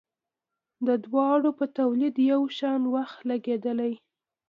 د دواړو په تولید یو شان وخت لګیدلی.